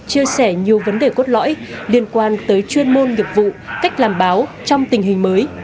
chia sẻ nhiều vấn đề cốt lõi liên quan tới chuyên môn nghiệp vụ cách làm báo trong tình hình mới